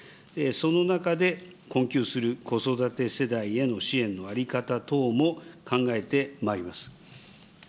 その中で、困窮する子育て世帯への支援の在り方等も考えてまいります。